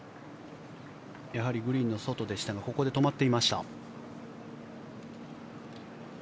やはりグリーンの外でしたがここで止まっていました。